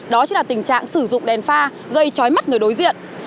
đó chính là tình trạng sử dụng đèn pha gây trói mắt người đối diện